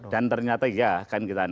dan ternyata iya kan kita